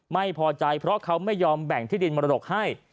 ไม่พอใจเพราะเขาไม่ยอมแบ่งที่ดินมรดกให้